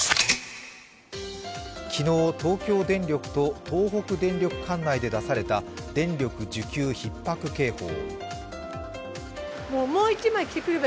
昨日、東京電力と東北電力管内で出された電力需給ひっ迫警報。